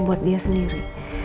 buat dia sendiri